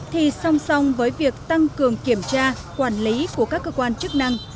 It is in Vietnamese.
thì song song với việc tăng cường kiểm tra quản lý của các cơ quan chức năng